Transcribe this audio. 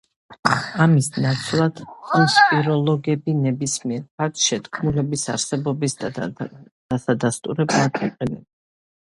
ამის ნაცვლად კონსპიროლოგები ნებისმიერ ფაქტს შეთქმულების არსებობის დასადასტურებლად იყენებენ.